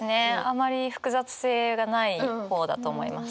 あまり複雑性がない方だと思います。